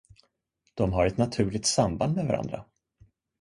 De har ett naturligt samband med varandra.